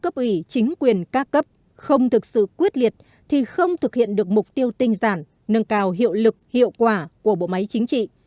cấp ủy chính quyền ca cấp không thực sự quyết liệt thì không thực hiện được mục tiêu tinh giản nâng cao hiệu lực hiệu quả của bộ máy chính trị